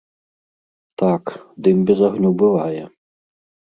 Так, дым без агню бывае.